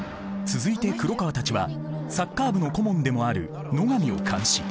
続いて黒川たちはサッカー部の顧問でもある野上を監視。